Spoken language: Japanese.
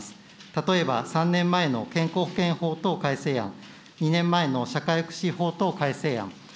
例えば、３年前の健康保険法等改正案、２年前の社会福祉法等改正案。